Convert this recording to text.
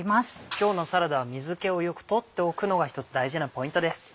今日のサラダは水気をよく取っておくのが一つ大事なポイントです。